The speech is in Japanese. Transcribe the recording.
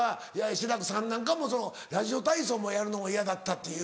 志らくさんなんかもラジオ体操もやるのも嫌だったっていう。